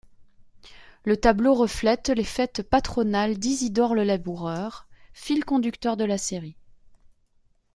Le tableau reflète les fêtes patronales d'Isidore le Laboureur, fil conducteur de la série.